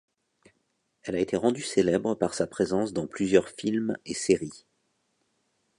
Elle a été rendue célèbre par sa présence dans plusieurs films et série.